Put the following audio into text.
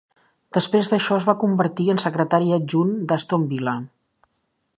Després d'això, es va convertir en secretari adjunt d'Aston Villa.